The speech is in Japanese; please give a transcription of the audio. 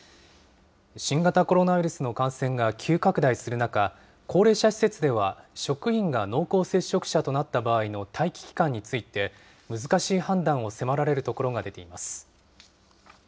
新型コロナウイルスの感染が急拡大する中、高齢者施設では、職員が濃厚接触者となった場合の待機期間について、難しい判断を迫られるところが出ています。